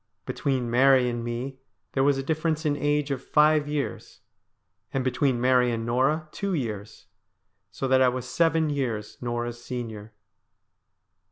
Between Mary and me there was a difference in age of five years, and between Mary and Norah two years, so that I was seven years Norah's senior.